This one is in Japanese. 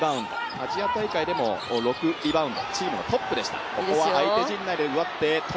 アジア大会でも６リバウンドチームのトップでした。